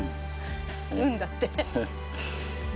うんだって。